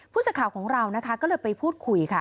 ผู้จัดข่าวของเราก็เลยไปพูดคุย